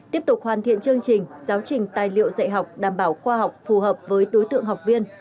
tiếp tục hoàn thiện chương trình giáo trình tài liệu dạy học đảm bảo khoa học phù hợp với đối tượng học viên